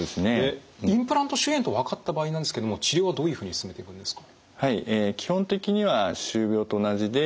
インプラント周囲炎と分かった場合なんですけども治療はどういうふうに進めていくんですか？